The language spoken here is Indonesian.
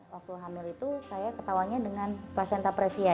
waktu hamil itu saya ketawanya dengan placenta previa